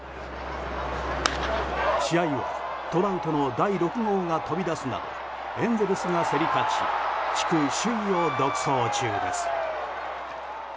試合はトラウトの第６号が飛び出すなどエンゼルスが競り勝ち地区首位を独走中です。